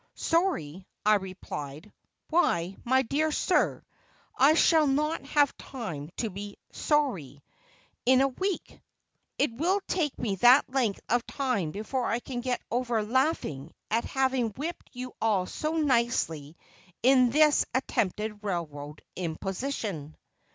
"Sorry," I replied, "why, my dear sir, I shall not have time to be 'sorry' in a week! It will take me that length of time before I can get over laughing at having whipped you all so nicely in this attempted railroad imposition."